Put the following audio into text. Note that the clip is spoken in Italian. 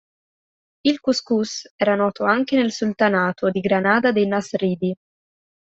Il cuscus era noto anche nel sultanato di Granada dei Nasridi.